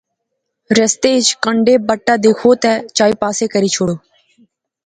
رستے اچ کنڈے بٹا دیخو تے چائی پاسے کری شوڑو